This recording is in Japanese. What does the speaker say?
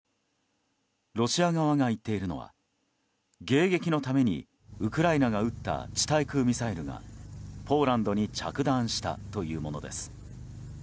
ロシア側が言っているのは迎撃のためにウクライナが撃った地対空ミサイルがポーランドに着弾したというものです。